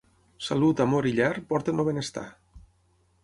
Salut, amor i llar porten el benestar.